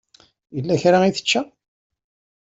Yella kra i tečča?